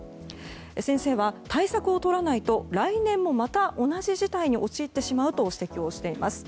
先生は対策をとらないと来年もまた同じ事態に陥ってしまうと指摘をしています。